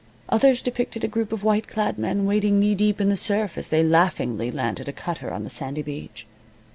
Others depicted a group of white clad men wading knee deep in the surf as they laughingly landed a cutter on the sandy beach.